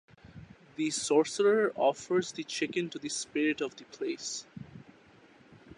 The sorcerer offers the chicken to the spirit of the place.